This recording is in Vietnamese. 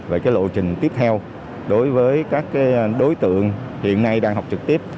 về cái lộ trình tiếp theo đối với các đối tượng hiện nay đang học trực tiếp